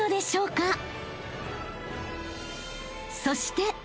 ［そして］